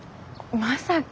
まさか。